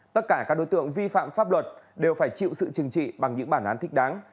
tất cả các đối tượng vi phạm pháp luật đều phải chịu sự chừng trị bằng những bản án thích đáng